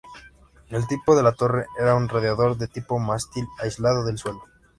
El tipo de la torre era un radiador de tipo mástil aislado del suelo.